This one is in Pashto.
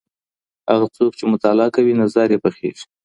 هغه څوک چي مطالعه کوي نظر يې پخېږي.